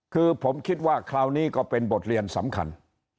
คือผมคิดว่าคราวนี้ก็เป็นบทเรียนสำคัญ